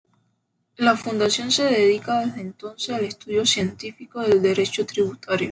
La Fundación se dedica desde entonces al estudio científico del derecho tributario.